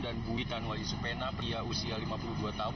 dan buwikan wali supena pria usia lima puluh dua tahun